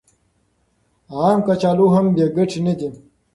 عام کچالو هم بې ګټې نه دي.